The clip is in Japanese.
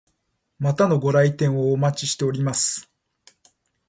またのご来店をお待ちしております。